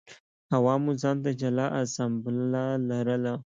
عوامو ځان ته جلا اسامبله لرله.